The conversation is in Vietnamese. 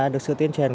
được sự tuyên truyền